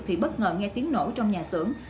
thì bất ngờ nghe tiếng nổ trong nhà xưởng